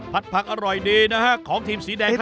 ผักผักอร่อยดีนะฮะของทีมสีแดง